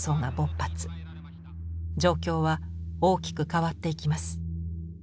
状況は大きく変わっていきます。